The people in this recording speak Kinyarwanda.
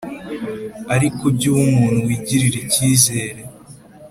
Ariko jya uba umuntu wigirira icyizere